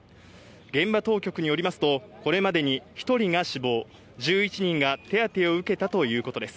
現場当局によりますと、これまでに１人が死亡、１１人が手当を受けたということです。